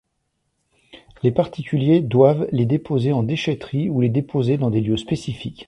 Les particuliers doivent les déposer en déchèterie ou les déposer dans des lieux spécifiques.